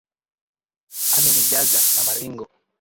Amenijaza na maringo